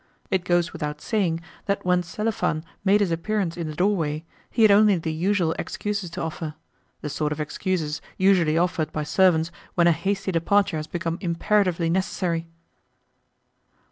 It goes without saying that when Selifan made his appearance in the doorway he had only the usual excuses to offer the sort of excuses usually offered by servants when a hasty departure has become imperatively necessary.